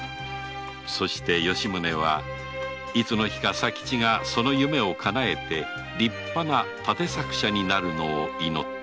そして吉宗はいつの日か左吉がその夢をかなえて立派な立作者になるのを祈った